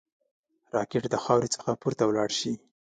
راکټ د خاورې څخه پورته ولاړ شي